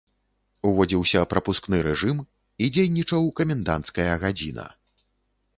Уводзіўся прапускны рэжым і дзейнічаў каменданцкая гадзіна.